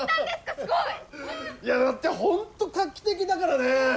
すごい！いやだってホント画期的だからねぇ。